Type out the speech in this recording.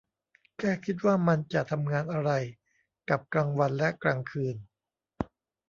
แค่คิดว่ามันจะทำงานอะไรกับกลางวันและกลางคืน !